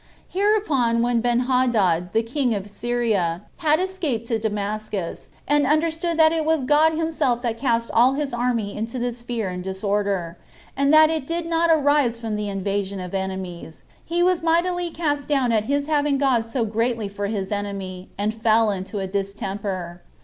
6. Hereupon, when Benhadad, the king of Syria, had escaped to Damascus, and understood that it was God himself that cast all his army into this fear and disorder, and that it did not arise from the invasion of enemies, he was mightily cast down at his having God so greatly for his enemy, and fell into a distemper.